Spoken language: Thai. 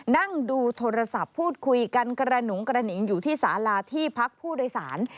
นั่งดูโทรศัพท์พูดคุยกันกระหนุงกระหนิงอยู่ที่สาลาที่พักผู้โดยสาร